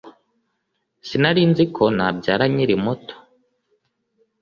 Sinarinziko nabyara nkiri muto